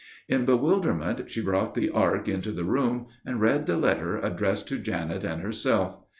In bewilderment she brought the ark into the room, and read the letter addressed to Janet and herself.